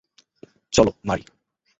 চলো, মারি।